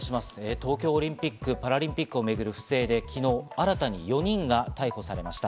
東京オリンピック・パラリンピックを巡る不正で昨日、新たに４人が逮捕されました。